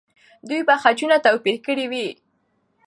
دوی به خجونه توپیر کړي وي.